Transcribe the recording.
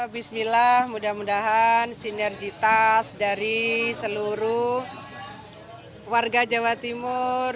bismillah mudah mudahan sinergitas dari seluruh warga jawa timur